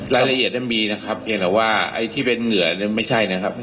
รายละเอียดนั้นมีนะครับเพียงแต่ว่าไอ้ที่เป็นเหงื่อไม่ใช่นะครับ